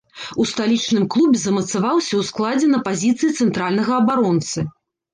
У сталічным клубе замацаваўся ў складзе на пазіцыі цэнтральнага абаронцы.